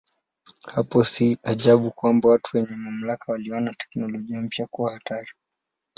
Hapo si ajabu kwamba watu wenye mamlaka waliona teknolojia mpya kuwa hatari.